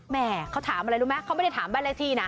แหมเขาถามอะไรรู้มั้ยเขาไม่ได้ถามแบบไรที่นะ